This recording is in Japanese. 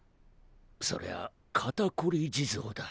そりゃ肩こり地蔵だ。